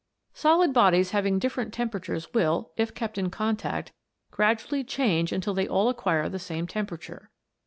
Solid bodies having different temperatures will, if kept in contact, gradually change until they all acquire the same temperature.